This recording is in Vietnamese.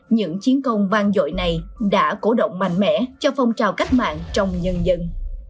những chiến công vang dội này đã cổ động mạnh mẽ cho phong trào cách mạng trong nhân dân